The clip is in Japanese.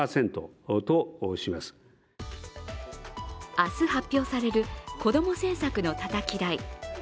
明日発表されるこども政策のたたき台。